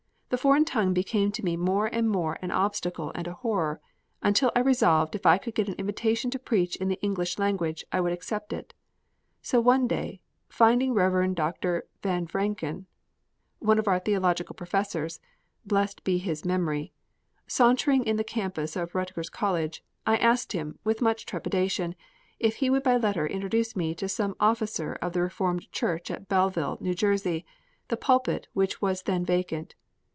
The foreign tongue became to me more and more an obstacle and a horror, until I resolved if I could get an invitation to preach in the English language, I would accept it. So one day, finding Rev. Dr. Van Vranken, one of our theological professors (blessed be his memory), sauntering in the campus of Rutgers College, I asked him, with much trepidation, if he would by letter introduce me to some officer of the Reformed Church at Belleville, N.J., the pulpit of which was then vacant.